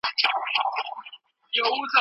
کلونه کیږي چي له ستوني د حق نوم نه وزي